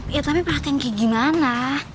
ya tapi perhatian kayak gimana